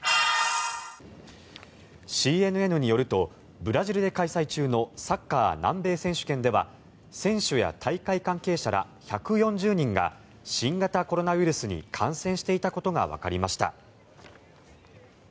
ＣＮＮによるとブラジルで開催中のサッカー南米選手権では選手や大会関係者ら１４０人が新型コロナウイルスに感染していたことがわかりました。